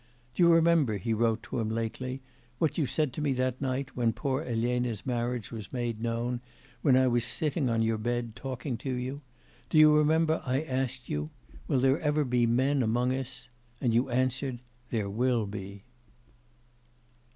'Do you remember,' he wrote to him lately, 'what you said to me that night, when poor Elena's marriage was made known, when I was sitting on your bed talking to you? Do you remember I asked you, "Will there ever be men among us?" and you answered "There will be."